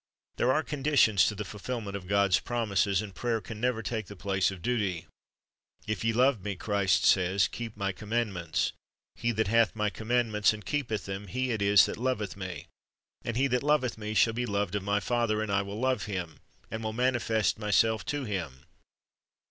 There are conditions to the fulfilment of God's promises, and prayer can never take the place of duty. "If ye love Me," Christ says, "keep My commandments." "He that hath My comm'andments, and keepeth them, he it is that loveth Me; and he that loveth Me shall be loved of My Father, and I will love him, and will manifest Myself to him."